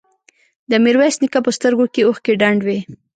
د ميرويس نيکه په سترګو کې اوښکې ډنډ وې.